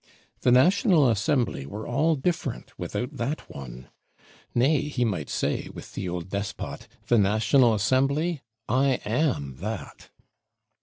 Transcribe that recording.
The National Assembly were all different without that one; nay, he might say, with the old Despot: "The National Assembly? I am that."